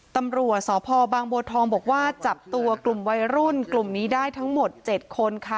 ตำรวจสพบางบัวทองบอกว่าจับตัวกลุ่มวัยรุ่นกลุ่มนี้ได้ทั้งหมด๗คนค่ะ